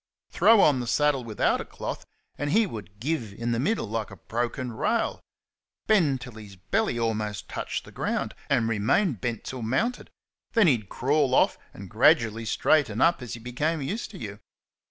Throw on the saddle without a cloth, and he would "give" in the middle like a broken rail bend till his belly almost touched the ground, and remain bent till mounted; then he'd crawl off and gradually straighten up as he became used to you.